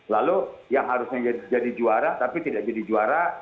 lalu yang harusnya jadi juara tapi tidak jadi juara